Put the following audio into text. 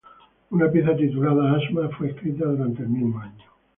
Una pieza, titulada "Asma", fue escrita durante el mismo año.